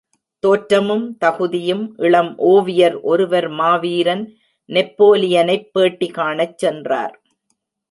தோற்றமும் தகுதியும் இளம் ஓவியர் ஒருவர் மாவீரன் நெப்போலியனைப் பேட்டி காணச் சென்றார்.